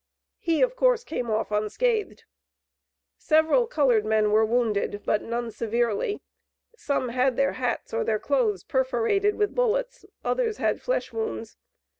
He of course came off unscathed. Several colored men were wounded, but none severely. Some had their hats or their clothes perforated with bullets; others had flesh wounds.